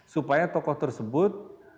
supaya tokoh tersebut